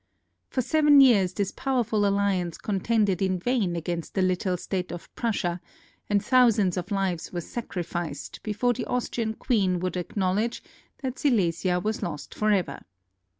For seven years this powerful alliance contended in vain against the little state of Prussia and thousands of lives were sacrificed before the Austrian queen would acknowledge that Silesia was lost forever.